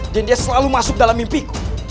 dan dia selalu masuk dalam mimpiku